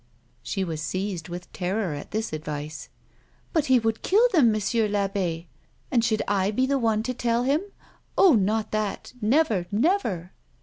She was seized with terror at this advice. " But he would kill them, Monsieur I'abbe ! And should I be the one to tell him '? Oh, not that ! Never, never